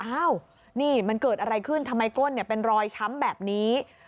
อ้าวนี่มันเกิดอะไรขึ้นทำไมก้นเป็นรอยช้ำแบบนี้